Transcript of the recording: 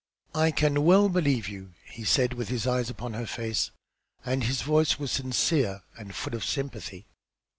"I can well believe you," he said, with his eyes upon her face, and his voice was sincere and full of sympathy.